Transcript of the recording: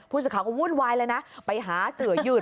ผู้สื่อข่าวก็วุ่นวายเลยนะไปหาเสือยืด